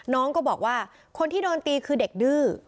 น้องก็บอกว่าคนที่โดนตีคือเด็กดื้อ